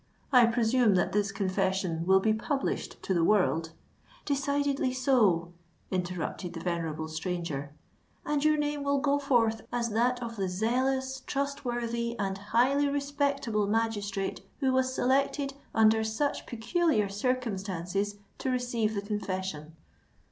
"I presume that this confession will be published to the world——" "Decidedly so," interrupted the venerable stranger; "and your name will go forth as that of the zealous, trustworthy, and highly respectable magistrate who was selected under such peculiar circumstances to receive the confession."